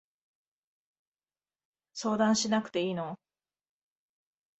相談しなくていいの？